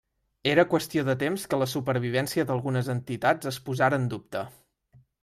Era qüestió de temps que la supervivència d'algunes entitats es posara en dubte.